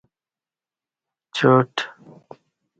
چاٹ